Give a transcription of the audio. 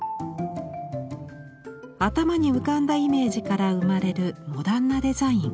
頭に浮かんだイメージから生まれるモダンなデザイン。